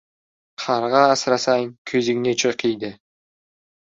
• Qarg‘a asrasang ko‘zingni cho‘qiydi.